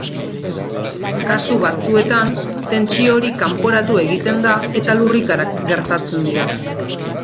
Kasu batzuetan, tentsio hori kanporatu egiten da eta lurrikarak gertatzen dira.